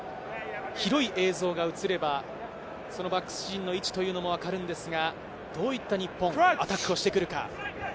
広い映像が映れば、バックスシーンの位置というのも分かるんですが、どういった日本、アタックをしてくるか。